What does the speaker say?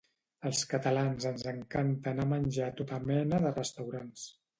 Als catalans ens encanta anar a menjar a tota mena de restaurants